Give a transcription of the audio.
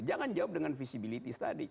jangan jawab dengan visibility study